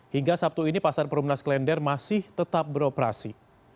hingga sabtu ini pasar perumnas klender masih tetap beroperasi